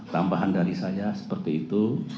tambahan dari saya seperti itu